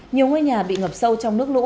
nhiều ngôi nhà bị ngập sâu trong nước lũ